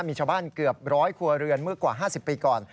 มีชาวบ้านเกือบร้อยครัวเรือนเมื่อกว่า๕๐ปีก่อน